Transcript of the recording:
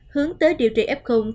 hướng tới điều trị f không có